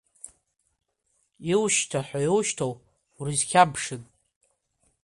Иушьҭаҳәо иушьҭоу урызхьамԥшын!